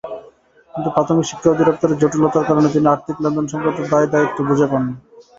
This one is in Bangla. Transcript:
কিন্তু প্রাথমিক শিক্ষা অধিদপ্তরের জটিলতার কারণে তিনি আর্থিক লেনদেন-সংক্রান্ত দায়দায়িত্ব বুঝে পাননি।